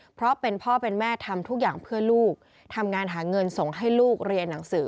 เพราะเป็นพ่อเป็นแม่ทำทุกอย่างเพื่อลูกทำงานหาเงินส่งให้ลูกเรียนหนังสือ